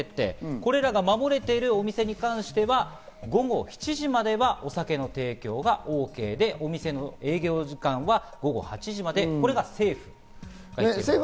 これらが守られているお店に関しては、午後７時まではお酒の提供がＯＫ、お店の営業は午後８時まで、これが政府。